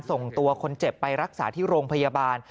ส่งตัวคนเจ็บไปรักษาที่โรงพยาบาล